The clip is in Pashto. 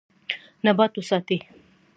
نبات وساتئ.